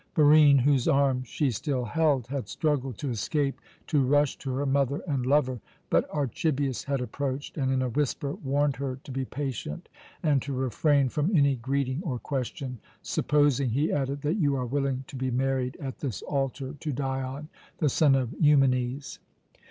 Barine, whose arm she still held, had struggled to escape to rush to her mother and lover; but Archibius had approached, and in a whisper warned her to be patient and to refrain from any greeting or question, "supposing," he added, "that you are willing to be married at this altar to Dion, the son of Eumenes."